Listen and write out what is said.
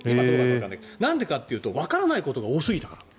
なんでかというとわからないことが多すぎたから。